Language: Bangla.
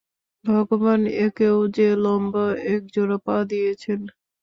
ভগবান এঁকেও যে লম্বা এক জোড়া পা দিয়েছেন।